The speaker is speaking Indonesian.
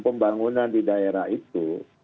pembangunan di daerah itu